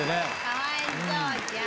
かわいそうじゃん！